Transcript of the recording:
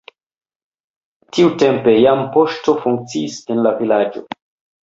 Tiutempe jam poŝto funkciis en la vilaĝo.